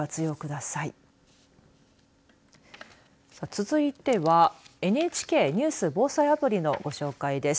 続いてはＮＨＫニュース・防災アプリのご紹介です。